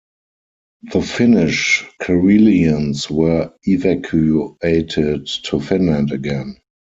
The Finnish Karelians were evacuated to Finland again.